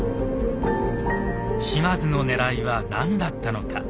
島津のねらいは何だったのか。